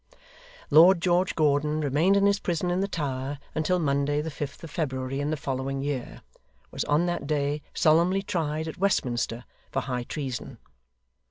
Lord George Gordon, remaining in his prison in the Tower until Monday the fifth of February in the following year, was on that day solemnly tried at Westminster for High Treason.